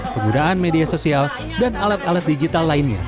penggunaan media sosial dan alat alat digital lainnya